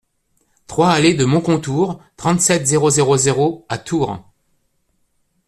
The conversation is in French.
trois allée de Moncontour, trente-sept, zéro zéro zéro à Tours